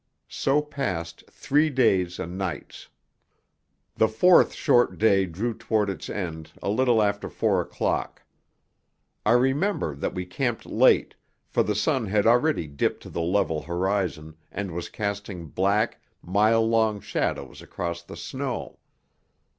So passed three days and nights. The fourth short day drew toward its end a little after four o'clock. I remember that we camped late, for the sun had already dipped to the level horizon and was casting black, mile long shadows across the snow.